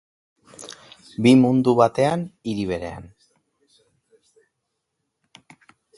Bi mundu batean, hiri berean.